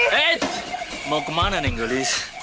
hei mau kemana ning gulis